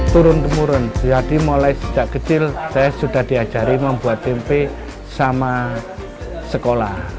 turun temurun jadi mulai sejak kecil saya sudah diajari membuat tempe sama sekolah